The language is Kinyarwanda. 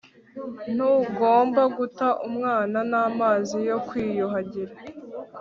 ntugomba guta umwana n'amazi yo kwiyuhagira